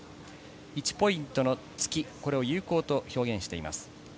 １ポイントの突き、これを有効と表現しています。